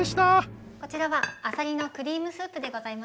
こちらはあさりのクリームスープでございます。